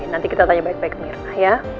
nanti kita tanya baik baik pemirsa ya